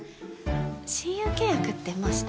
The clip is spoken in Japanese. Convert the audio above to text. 親友契約ってもうした？